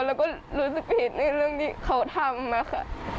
แล้วก็รู้สึกผิดในเรื่องที่เขาทำนะคะ